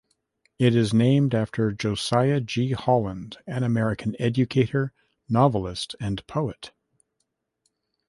It is named after Josiah G. Holland, an American educator, novelist and poet.